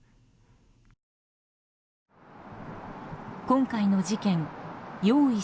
今回の事件用意